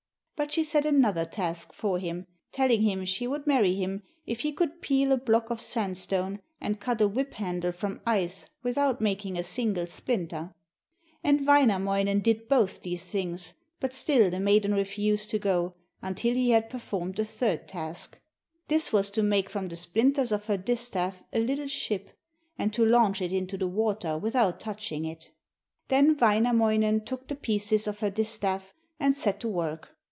But she set another task for him, telling him she would marry him if he could peel a block of sandstone and cut a whip handle from ice without making a single splinter. And Wainamoinen did both these things, but still the maiden refused to go until he had performed a third task. This was to make from the splinters of her distaff a little ship, and to launch it into the water without touching it. Then Wainamoinen took the pieces of her distaff and set to work.